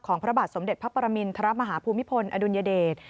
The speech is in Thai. พระบาทสมเด็จพระปรมินทรมาฮภูมิพลอดุลยเดช